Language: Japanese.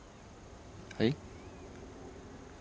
はい？